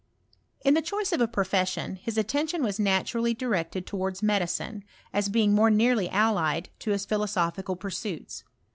iln the choice of a profession, his attention was naturally directed towards medicine, as being more neaxly allied to his philosophical pursuits.